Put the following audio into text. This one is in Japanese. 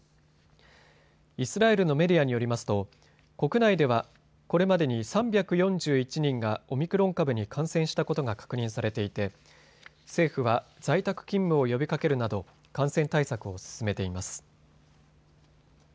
イスラエルのメディアによりますと国内ではこれまでに３４１人がオミクロン株に感染したことが確認されていて政府は在宅勤務を呼びかけるなど感染対策を進めています。